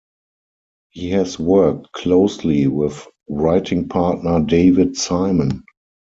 He has worked closely with writing partner David Simon.